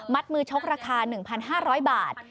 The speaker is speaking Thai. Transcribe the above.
มือชกราคา๑๕๐๐บาท